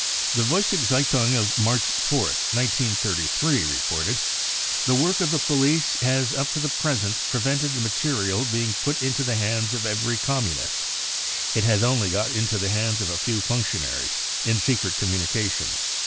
The Vossiscke tyitwig of March 4th, 1933, reported :, e ' The work of the police has up to the present prevented the material being put into the hands of every Com munist. It has only got into the hands of a few func tionaries in secret communications."